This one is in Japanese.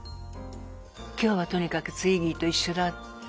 今日はとにかくツイッギーと一緒だ。